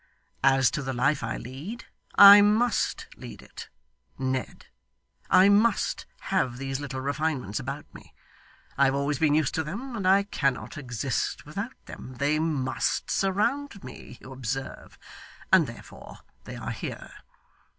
As to the life I lead, I must lead it, Ned. I must have these little refinements about me. I have always been used to them, and I cannot exist without them. They must surround me, you observe, and therefore they are here.